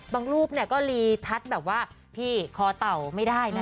รูปเนี่ยก็รีทัศน์แบบว่าพี่คอเต่าไม่ได้นะ